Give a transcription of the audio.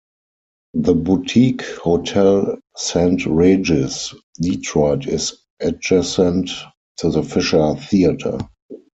The boutique Hotel Saint Regis, Detroit is adjacent to the Fisher Theatre.